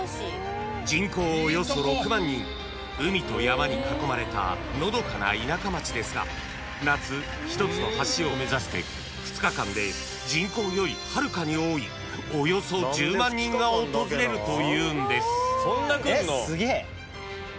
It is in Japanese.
［海と山に囲まれたのどかな田舎町ですが夏一つの橋を目指して２日間で人口よりはるかに多いおよそ１０万人が訪れるというんです］